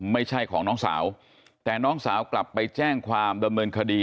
ไม่ใช่ของน้องสาวแต่น้องสาวกลับไปแจ้งความดำเนินคดี